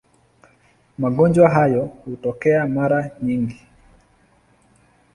Magonjwa hayo hutokea mara nyingi.